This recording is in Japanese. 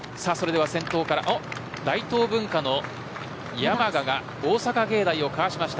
大東文化の山賀が大阪芸大をかわしました。